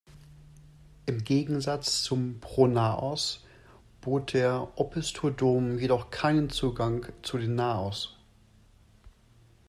Im Gegensatz zum Pronaos bot der Opisthodom jedoch keinen Zugang zu dem Naos.